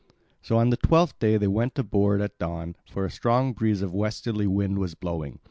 So on the twelfth day they went aboard at dawn, for a strong breeze of westerly wind was blowing.